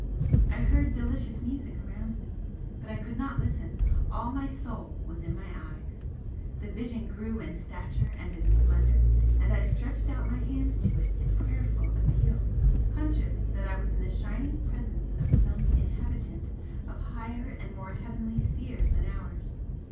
I heard delicious music around me, but I could not listen all my soul was in my eyes. The Vision grew in stature and in splendour, and I stretched out my hands to it in prayerful appeal, conscious that I was in the shining Presence of some inhabitant of higher and more heavenly spheres than ours.